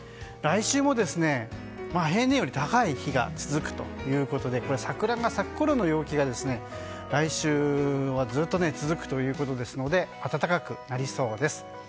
来週も平年より高い日が続くということで桜が咲くころの陽気が来週はずっと続くということですので暖かくなりそうです。